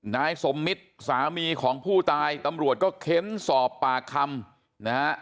นายสมมิตรสามีของผู้ตายตำรวจก็เค้นสอบปากคำนะฮะ